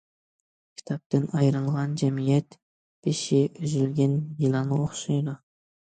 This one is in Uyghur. كىتابتىن ئايرىلغان جەمئىيەت بېشى ئۈزۈلگەن يىلانغا ئوخشايدۇ.